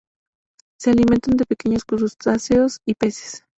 Se alimentan de pequeños crustáceos y peces.